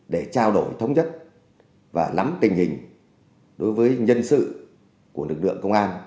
để trao đổi thống nhất và nắm tình hình đối với nhân sự của lực lượng công an